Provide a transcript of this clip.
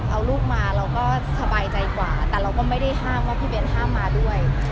เอาลูกมาเราก็สบายใจกว่าแต่เราก็ไม่ได้ห้ามว่าพี่เบ้นห้ามมาด้วย